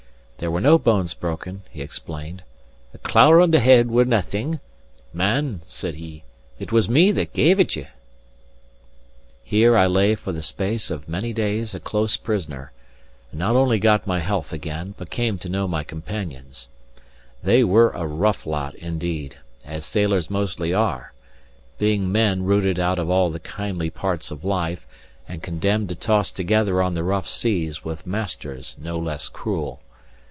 There were no bones broken, he explained: "A clour* on the head was naething. Man," said he, "it was me that gave it ye!" * Blow. Here I lay for the space of many days a close prisoner, and not only got my health again, but came to know my companions. They were a rough lot indeed, as sailors mostly are: being men rooted out of all the kindly parts of life, and condemned to toss together on the rough seas, with masters no less cruel.